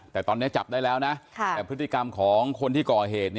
แต่ตอนนี้จับได้แล้วนะแต่พฤติกรรมของคนที่ก่อเหตุ